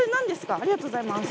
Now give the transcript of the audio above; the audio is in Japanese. ありがとうございます。